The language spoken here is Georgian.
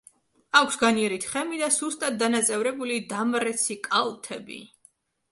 აქვს განიერი თხემი და სუსტად დანაწევრებული დამრეცი კალთები.